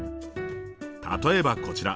例えばこちら！